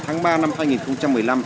năm tháng ba năm hai nghìn một mươi năm